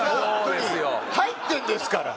入ってんですから。